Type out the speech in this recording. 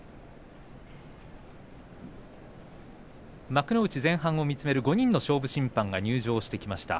幕内前半を見つめる５人の勝負審判が入場してきました。